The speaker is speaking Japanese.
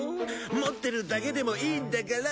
持ってるだけでもいいんだから。